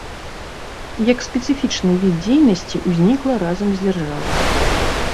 Як спецыфічны від дзейнасці ўзнікла разам з дзяржавай.